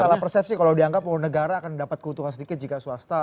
jadi salah persepsi kalau dianggap negara akan dapat keuntungan sedikit jika swasta